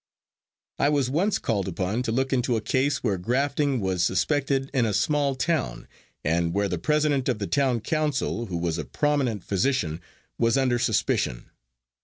I was once called upon to look into a case where grafting was suspected in a small town, and where the president of the town council, who was a prominent physician, was under suspicion.